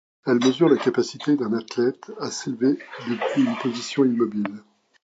Elle mesure la capacité d'un athlète à s'élever depuis une position immobile.